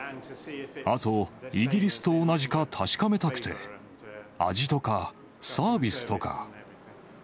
あと、イギリスと同じか確かめたくて、味とかサービスとか。